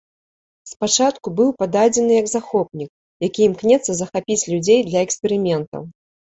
Спачатку быў пададзены як захопнік, які імкнецца захапіць людзей для эксперыментаў.